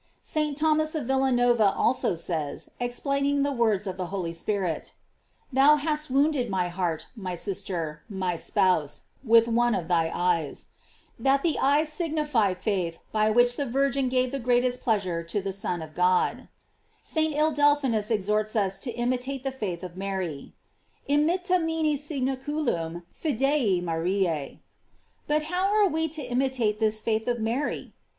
"* St. Thomas of Villanova also says, explaining the words of the Holy Spirit, "Thou hast wounded my heart, my sister, my spouse ... with one of thy eyes," f that the eyes signify faith, by which the Virgin gave the greatest pleasure to the Son of God.J ^ St. Ildephonsus exhorts us to imitate the faith of Mary: "Imitamini signaculum fidei Mariae." But how are we to imitate this faith of Mary?